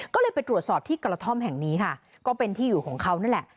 ก็เลยไปตรวจสอบที่กระท่อมแห่งนี้ค่ะก็เป็นที่อยู่ของเขานั่นแหละ